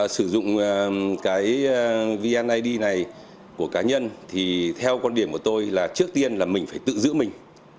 sử dụng cái vneid này của cá nhân thì theo quan điểm của tôi là trước tiên là mình phải tự giữ mình